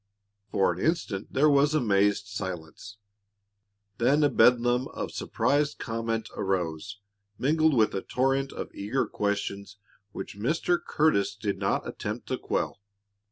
For an instant there was amazed silence. Then a bedlam of surprised comment arose, mingled with a torrent of eager questions, which Mr. Curtis did not attempt to quell.